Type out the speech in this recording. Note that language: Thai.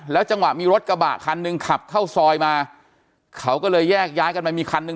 จังหวะมีรถกระบะคันหนึ่งขับเข้าซอยมาเขาก็เลยแยกย้ายกันมามีคันหนึ่ง